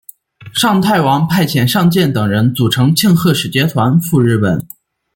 尚泰王派遣尚健等人组成庆贺使节团赴日本。